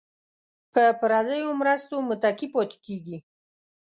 په پردیو مرستو متکي پاتې کیږي.